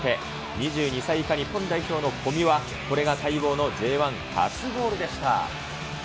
２２歳以下日本代表の小見は、これが待望のＪ１初ゴールでした。